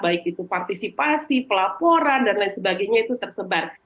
baik itu partisipasi pelaporan dan lain sebagainya itu tersebar